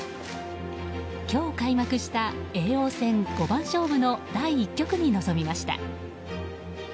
今日開幕した叡王戦五番勝負の第１局に臨みました。